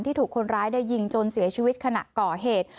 ถูกคนร้ายได้ยิงจนเสียชีวิตขณะก่อเหตุ